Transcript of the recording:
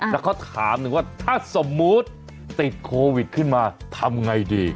แล้วเขาถามหนึ่งว่าถ้าสมมุติติดโควิดขึ้นมาทำไงดี